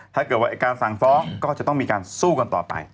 ถ้าเกิดว่าการสั่งฟ้องก็จะต้องมีการสู้กันต่อไป